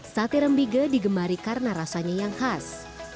sate rembige digemari karena rasanya yang khas